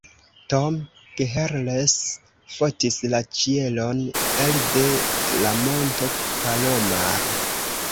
Tom Gehrels fotis la ĉielon elde la Monto Palomar.